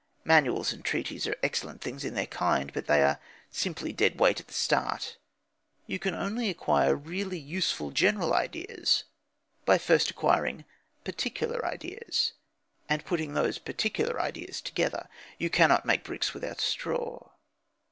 Manuals and treatises are excellent things in their kind, but they are simply dead weight at the start. You can only acquire really useful general ideas by first acquiring particular ideas, and putting those particular ideas together. You cannot make bricks without straw.